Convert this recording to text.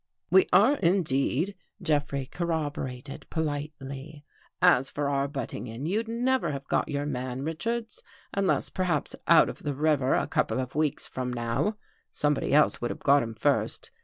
"We are, indeed," Jeffrey corroborated politely. " As for our butting in, you'd never have got your man, Richards, unless perhaps out of the river a couple of weeks from now. Somebody else would have got him first.